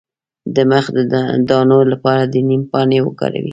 د مخ د دانو لپاره د نیم پاڼې وکاروئ